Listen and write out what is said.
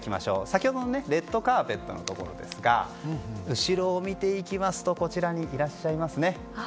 先ほどのレッドカーペットのところですが後ろを見ていきますとこちらにいらっしゃいますね。